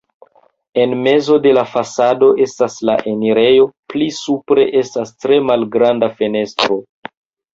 En mezo de la fasado estas la enirejo, pli supre estas tre malgranda fenestro.